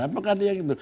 apakah dia gitu